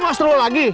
lu gak seru lagi